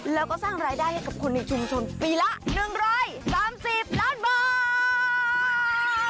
แล้วก็สร้างรายได้ให้กับคนในชุมชนปีละ๑๓๐ล้านบาท